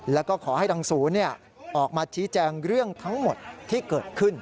แล้วก็ขอให้ทางศูนย์ออกมาชี้แจงเรื่องทั้งหมดที่เกิดขึ้น